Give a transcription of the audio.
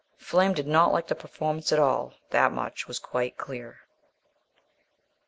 Flame did not like the performance at all: that much was quite clear.